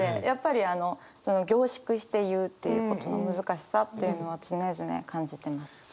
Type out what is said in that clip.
やっぱり凝縮して言うということの難しさっていうのは常々感じてます。